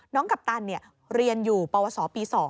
กัปตันเรียนอยู่ปวสปี๒